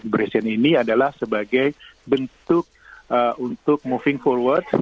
presiden ini adalah sebagai bentuk untuk moving forward